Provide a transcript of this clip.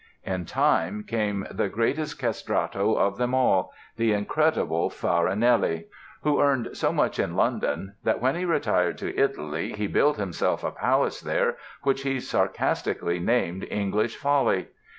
In time came the greatest castrato of them all, the incredible Farinelli, who earned so much in London that when he retired to Italy he built himself a palace there which he sarcastically named "English Folly".